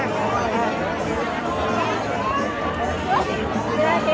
สวัสดีครับ